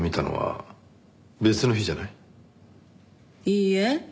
いいえ。